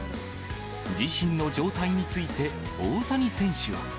自身の状態について、大谷選手は。